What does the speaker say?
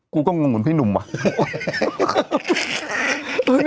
กูก็งงวลพี่หนุ่มว่ะ